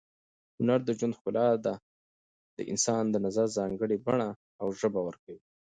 هنر د ژوند ښکلا ته د انسان د نظر ځانګړې بڼه او ژبه ورکوي.